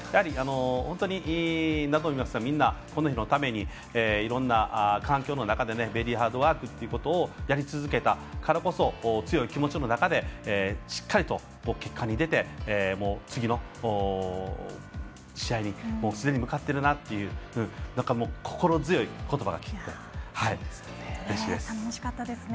本当に何度も言いますがこの日のためにいろんな環境の中でベリーハードワークということをやり続けたからこそ強い気持ちの中でしっかりと結果に出て次の試合にすでに向かっているなという頼もしかったですね。